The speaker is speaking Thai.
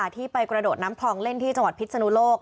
ที่ไปกระโดดน้ำคลองเล่นที่จังหวัดพิษนุโลก